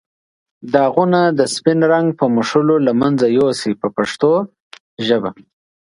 داغونه د سپین رنګ په مښلو له منځه یو سئ په پښتو ژبه.